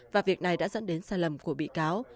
và việc này đã dẫn đến sai lầm của bị cáo